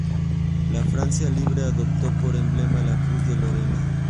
La Francia Libre adoptó por emblema la Cruz de Lorena.